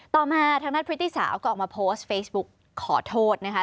ต่อมาทางด้านพริตตี้สาวก็ออกมาโพสต์เฟซบุ๊กขอโทษนะคะ